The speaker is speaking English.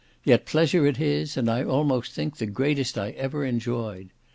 Yet pleasure it is, and I almost think the greatest I ever enjoyed.